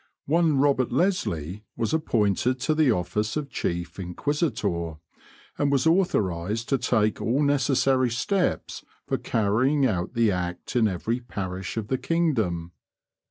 One Robert Lesley was appointed to the office of chief inquisitor, and was authorised to take all necessary steps for carrying out the act in every parish of the kingdom.